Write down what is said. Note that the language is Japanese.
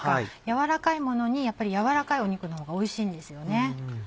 柔らかいものにやっぱり柔らかい肉のほうがおいしいんですよね。